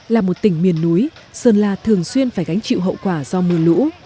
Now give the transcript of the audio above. là một tỉnh miền núi sơn la thường xuyên phải gánh chịu hậu quả do mưa lũ